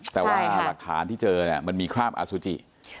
แต่ว่าหลักฐานที่เจอเนี่ยมันมีคราบอสุจิ